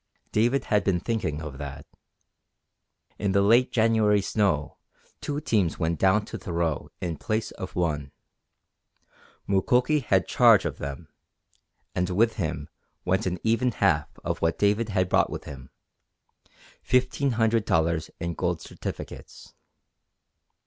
David had been thinking of that. In the late January snow two teams went down to Thoreau in place of one. Mukoki had charge of them, and with him went an even half of what David had brought with him fifteen hundred dollars in gold certificates.